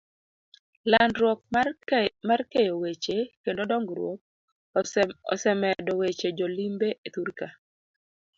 Landruok mar keyo weche kendo dong'ruok, osemedo weche jo limbe e thurka.